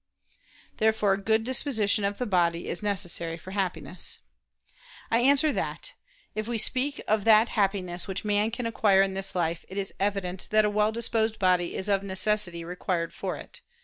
Therefore good disposition of the body is necessary for Happiness. I answer that, If we speak of that happiness which man can acquire in this life, it is evident that a well disposed body is of necessity required for it.